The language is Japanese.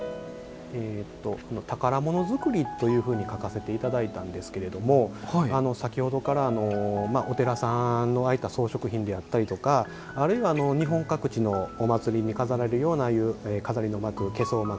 宝ものづくりというふうに書かせていただいたんですが先ほどからお寺さんのああいった装飾品であったりとかあるいは日本各地のお祭りに飾られるような飾りの幕、化粧幕。